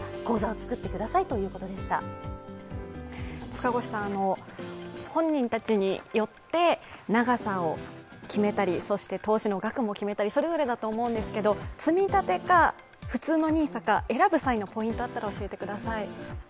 塚越さん、本人たちによって長さを決めたり、そして投資の額も決めたりそれぞれだと思うんですけどつみたてか、普通のＮＩＳＡか、選ぶ際のポイント、あったら教えてください。